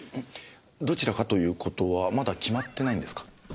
どちらかということはまだ決まってないんですか？